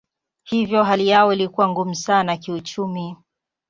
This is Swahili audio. Hivyo hali yao ilikuwa ngumu sana kiuchumi.